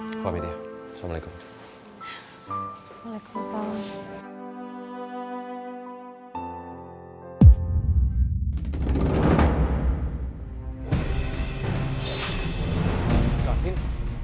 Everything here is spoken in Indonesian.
suami dia assalamualaikum waalaikumsalam